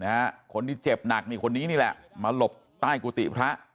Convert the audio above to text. นี่เนี่ยนะฮะคนที่เจ็บหนักมีคนนี้เนี่ยแหละมาหลบใต้กุฏิพระ